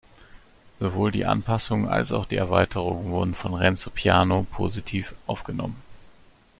Sowohl die Anpassungen als auch die Erweiterung wurden von Renzo Piano positiv aufgenommen.